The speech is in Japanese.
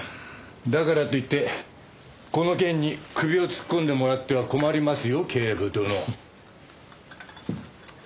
だからといってこの件に首を突っ込んでもらっては困りますよ警部殿。